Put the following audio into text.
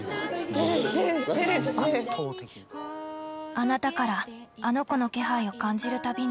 あなたからあの子の気配を感じる度に。